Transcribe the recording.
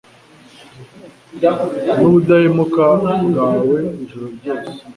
n’ubudahemuka bwawe ijoro ryose